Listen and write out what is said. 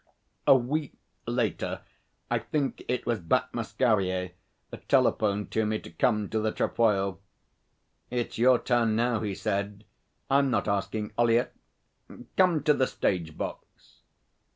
A week later, I think it was, Bat Masquerier telephoned to me to come to the Trefoil. 'It's your turn now,' he said. 'I'm not asking Ollyett. Come to the stage box.'